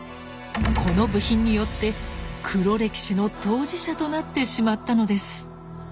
この部品によって黒歴史の当事者となってしまったのです。